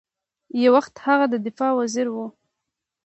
یو وخت هغه د دفاع وزیر ؤ